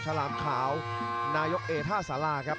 ฉลามขาวนายกเอท่าสาราครับ